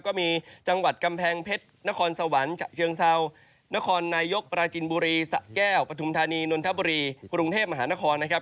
ก็มีจังหวัดกำแพงเพชรนครสวรรค์ฉะเชิงเซานครนายกปราจินบุรีสะแก้วปฐุมธานีนนทบุรีกรุงเทพมหานครนะครับ